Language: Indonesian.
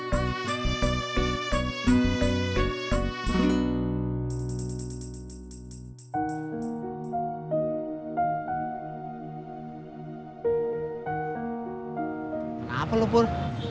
kenapa lu pur